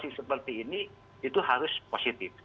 kondisi seperti ini itu harus positif